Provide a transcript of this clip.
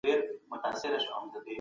د مطالعې فرهنګ باید په کلو کي دود سي.